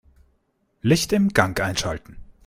Licht im Gang einschalten.